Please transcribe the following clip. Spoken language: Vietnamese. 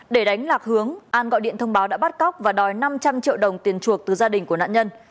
để đánh lạc hướng an gọi điện thông báo đã bắt cóc và đòi năm trăm linh triệu đồng tiền chuộc từ gia đình của nạn nhân